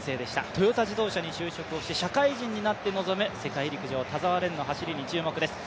トヨタ自動車に就職をして社会人になって臨む世界陸上、田澤廉の走りに注目です。